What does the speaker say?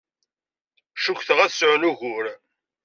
Cukkteɣ ad sɛun ugur.